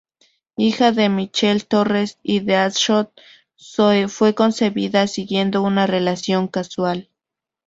Hija de Michelle Torres y Deadshot, Zoe fue concebida siguiendo una relación casual.